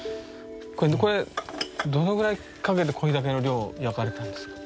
これどのぐらいかけてこれだけの量焼かれたんですか？